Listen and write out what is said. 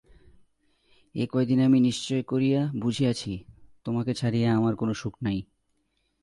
এই কয়দিনে আমি নিশ্চয় করিয়া বুঝিয়াছি, তোমাকে ছাড়িয়া আমার কোনো সুখ নাই।